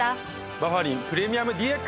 バファリンプレミアムＤＸ！